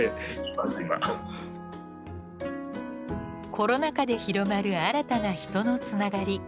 コロナ禍で広まる新たな人のつながり。